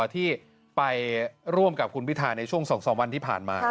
ที่ไปร่วมกับคุณพิทาในช่วง๒๓วันที่ผ่านมา